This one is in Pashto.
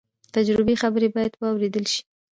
د تجربې خبرې باید واورېدل شي.